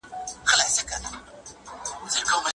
هغه د خپل ټاټوبي د ساتنې لپاره هر خطر منلو ته چمتو و.